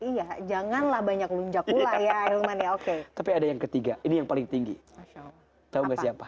iya janganlah banyak lunjak pula ya ahilman ya oke tapi ada yang ketiga ini yang paling tinggi tahu nggak siapa